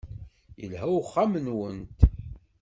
Yelha uxxam-nwent.